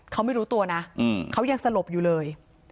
เขาไม่รู้ตัวนะเขายังสลบอยู่เลย